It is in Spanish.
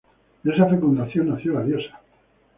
De esa fecundación nació la diosa.